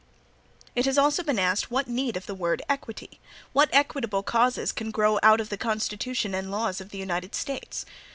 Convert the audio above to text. It has also been asked, what need of the word "equity". What equitable causes can grow out of the Constitution and laws of the United States?